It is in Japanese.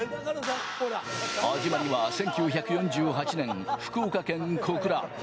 始まりは１９４８年、福岡県小倉。